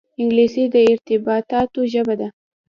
انګلیسي د ارتباطاتو ژبه ده